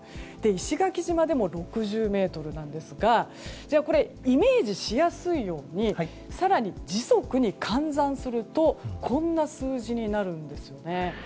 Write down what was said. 石垣島でも６０メートルなんですがイメージしやすいように更に時速に換算するとこんな数字になるんですよね。